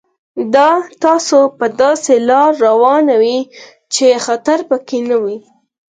دا تاسو په داسې لار روانوي چې خطر پکې نه وي.